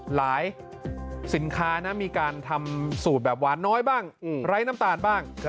สินค้านะมีการทำสูตรแบบหวานน้อยบ้างไร้น้ำตาลบ้าง